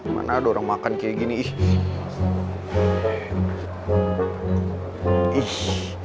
masa gue harus bersihin ini sih